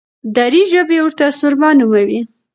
دري ژبي ورته سرمه نوموي.